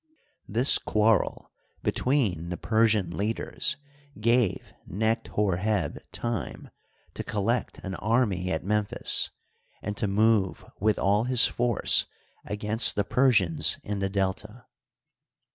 This quarrel etween the Persian leaders gave Necht Hor heb time to collect an army at Memphis and to move with all his force against the Persians in the Delta.